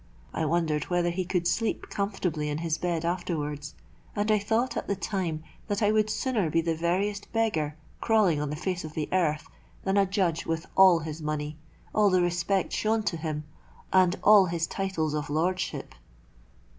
I wondered whether he could sleep comfortably in his bed afterwards; and I thought at the time that I would sooner be the veriest beggar crawling on the face of the earth, than a Judge with all his money—all the respect shown to him—and all his titles of Lordship!